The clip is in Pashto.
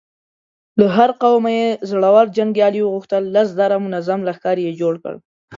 له هر قومه يې زړور جنګيالي وغوښتل، لس زره منظم لښکر يې جوړ کړ.